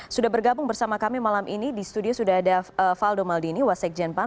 sudah bergabung bersama kami malam ini di studio sudah ada faldo maldini wasek jenpan